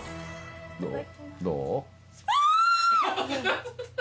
どう？